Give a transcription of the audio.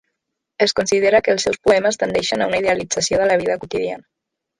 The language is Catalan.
Es considera que els seus poemes tendeixen a una idealització de la vida quotidiana.